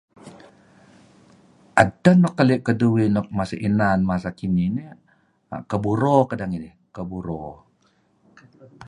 Edteh nuk keli' keduih nuk masih inan masa kinih nih, Keburo kedeh ngidih. Keburo.